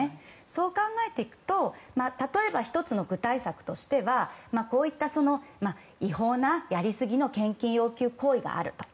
そう考えていくと例えば、１つの具体策としてはこういった違法なやりすぎな献金行為があると。